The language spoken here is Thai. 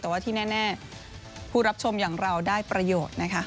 แต่ว่าที่แน่ผู้รับชมอย่างเราได้ประโยชน์นะคะ